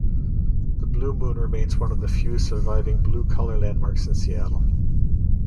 The Blue Moon remains one of the few surviving blue-collar landmarks in Seattle.